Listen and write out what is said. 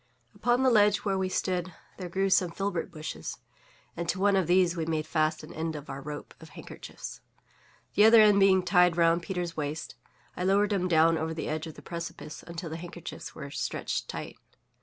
Upon the ledge where we stood there grew some filbert bushes; and to one of these we made fast an end of our rope of handkerchiefs. The other end being tied round Peters' waist, I lowered him down over the edge of the precipice until the handkerchiefs were stretched tight.